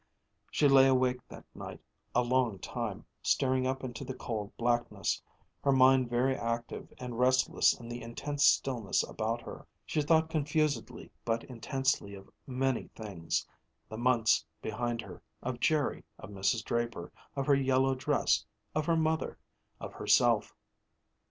She lay awake that night a long time, staring up into the cold blackness, her mind very active and restless in the intense stillness about her. She thought confusedly but intensely of many things the months behind her, of Jerry, of Mrs. Draper, of her yellow dress, of her mother of herself.